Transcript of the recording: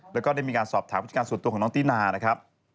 แล้วก็ได้มีการสอบถามผู้จัดการส่วนตัวของน้องตินานะครับ